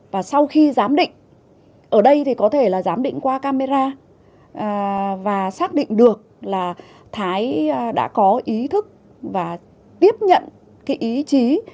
và sau khi giám định ở đây thì có thể là giám định qua camera và xác định được là thái đã có ý thức và tiếp nhận cái ý chí